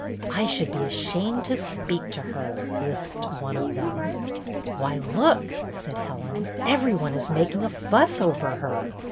" I should be ashamed to speak to her," lisped one of them. " Why, look," said Helen, " every one is making a fuss over her."